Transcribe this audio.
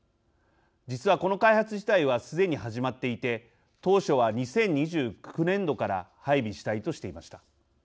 実は、この開発自体はすでに始まっていて当初は２０２９年度から配備したいとしていました。